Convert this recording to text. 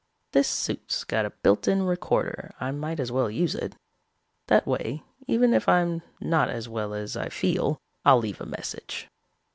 This suit's got a built in recorder, I might as well use it. That way even if I'm not as well as I feel, I'll leave a message.